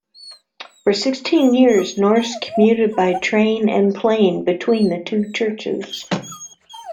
For sixteen years, Norris commuted by train and plane between the two churches.